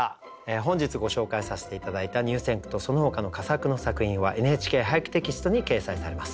本日ご紹介させて頂いた入選句とそのほかの佳作の作品は「ＮＨＫ俳句」テキストに掲載されます。